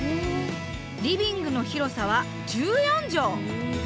リビングの広さは１４畳。